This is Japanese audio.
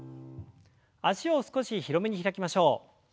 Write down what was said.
脚を少し広めに開きましょう。